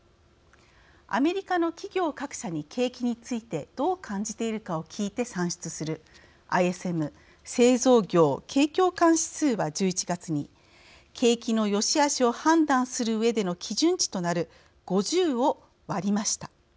アメリカの企業各社に景気についてどう感じているかを聞いて算出するＩＳＭ＝製造業景況感指数は１１月に、景気のよしあしを判断するうえでの基準値となる５０を割りました。